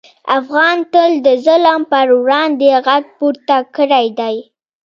افغان تل د ظلم پر وړاندې غږ پورته کړی دی.